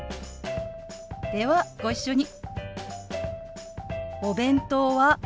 ではご一緒に。